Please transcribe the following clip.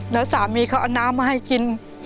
แล้วสามีเขาเอาน้ำมาให้กิน